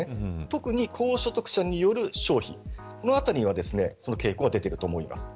特に、高所得者による消費の後にはその傾向が出ていると思います。